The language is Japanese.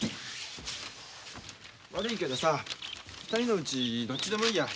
悪いけどさ２人のうちどっちでもいいや。